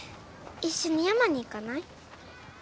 一緒に山に行かない？